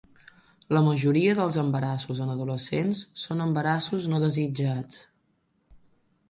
La majoria dels embarassos en adolescents són embarassos no desitjats.